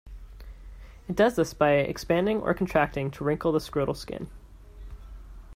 It does this by expanding or contracting to wrinkle the scrotal skin.